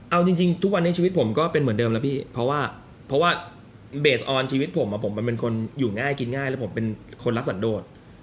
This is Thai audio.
เอาจริงทุกวันนี้ชีวิตผมก็เป็นเหมือนเดิมแล้วพี่เพราะว่าเพราะว่าเบสออนชีวิตผมผมมันเป็นคนอยู่ง่ายกินง่ายแล้วผมเป็นคนรักสันโดด